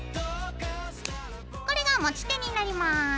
これが持ち手になります。